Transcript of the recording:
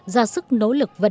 ra sức nỗ lực vận hành